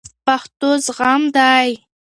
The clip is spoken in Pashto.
پښتو زغم دی